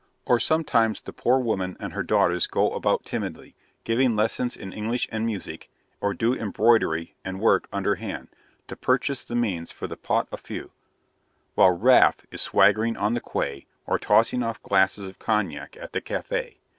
Or sometimes the poor woman and her daughters go about timidly, giving lessons in English and music, or do embroidery and work under hand, to purchase the means for the POT AU FEU; while Raff is swaggering on the quay, or tossing off glasses of cognac at the CAFÉ.